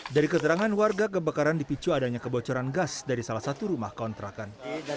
dari keterangan warga kebakaran dipicu adanya kebocoran gas dari salah satu rumah kontrakan